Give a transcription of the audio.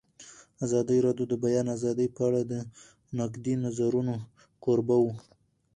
ازادي راډیو د د بیان آزادي په اړه د نقدي نظرونو کوربه وه.